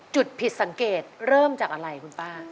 ผิดสังเกตเริ่มจากอะไรคุณป้า